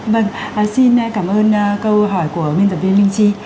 vâng xin cảm ơn câu hỏi của miên giả viên minh tri